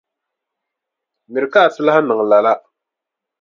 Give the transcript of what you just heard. Miri ka a ti lahi niŋ lala.